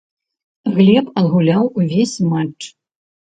Глеб адгуляў увесь матч.